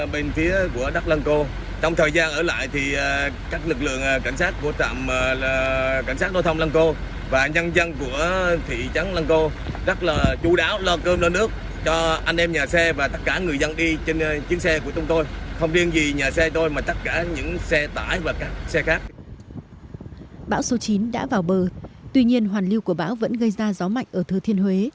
bão số chín đã vào bờ tuy nhiên hoàn lưu của bão vẫn gây ra gió mạnh ở thừa thiên huế